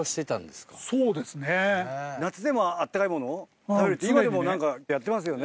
夏でも温かいものを食べるって今でも何かやってますよね。